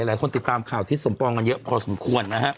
หลายคนติดตามข่าวทิศสมปองกันเยอะพอสมควรนะฮะ